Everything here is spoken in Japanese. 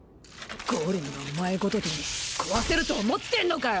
ゴーレムがお前ごときに壊せると思ってんのかよ！